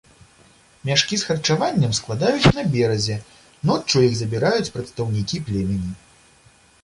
Мяшкі з харчаваннем складаюць на беразе, ноччу іх забіраюць прадстаўнікі племені.